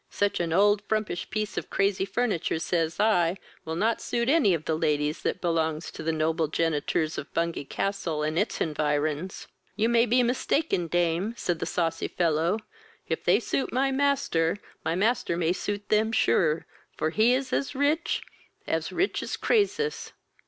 Such an old frumpish piece of crazy furniture, says I, will not suit any of the ladies that belongs to the noble genitors of Bungay Castle and its henvirons. 'You my be mistaken, dame, said the saucy fellow; if they suit my master, my master may suit them sure, for he is as rich, as rich as Crasus."